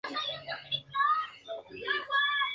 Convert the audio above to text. Recorrido por la plaza